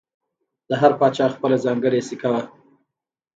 د هر پاچا خپله ځانګړې سکه وه